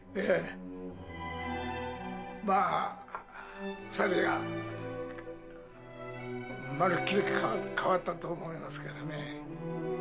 まあ、２人がまるっきり変わったと思いますからね。